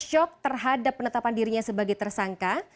shock terhadap penetapan dirinya sebagai tersangka